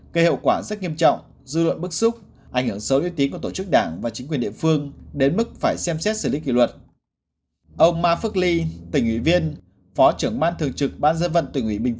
gây hậu quả rất nghiêm trọng dư luận bức xúc ảnh hưởng xấu uy tín của tổ chức đảng và chính quyền địa phương đến mức phải xem xét xử lý kỷ luật